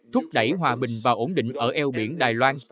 thúc đẩy hòa bình và ổn định ở eo biển đài loan